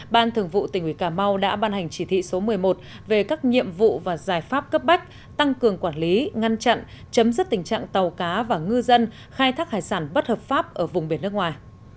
ban thường vụ tỉnh ủy cà mau đã ban hành chỉ thị số một mươi một về các nhiệm vụ và giải pháp cấp bách tăng cường quản lý ngăn chặn chấm dứt tình trạng tàu cá và ngư dân khai thác hải sản bất hợp pháp ở vùng biển nước ngoài